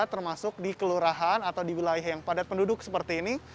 termasuk di kelurahan atau di wilayah yang padat penduduk seperti ini